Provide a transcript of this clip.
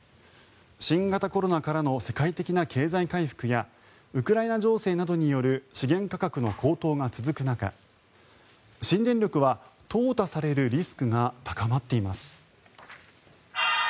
新型コロナからの世界的な経済回復やウクライナ情勢などによる資源価格の高騰が続く中新電力は、とう汰されるリスクが高まっています。